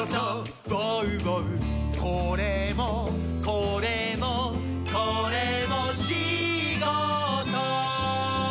「これもこれもこれもしごと」